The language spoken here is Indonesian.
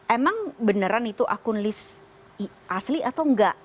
emang beneran itu akun list asli atau enggak